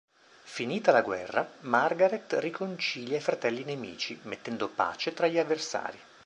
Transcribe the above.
Finita la guerra, Margaret riconcilia i fratelli nemici, mettendo pace tra gli avversari.